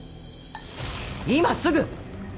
今すぐ！